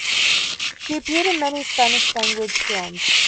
She appeared in many Spanish language films.